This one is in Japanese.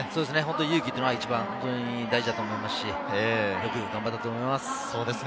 勇気が大事だと思いますし、よく頑張ったと思います。